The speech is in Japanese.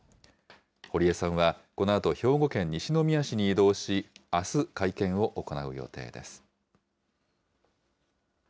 堀江さんは、このあと兵庫県西宮市に移動し、あす、会見を行う予定です。